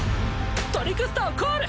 トリクスタをコール！